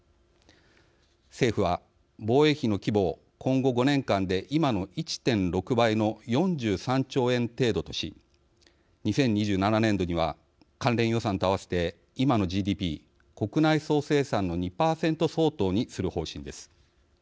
政府は、防衛費の規模を今後５年間で今の１．６倍の４３兆円程度とし２０２７年度には関連予算と合わせて今のＧＤＰ＝国内総生産の２％相当にする方針です。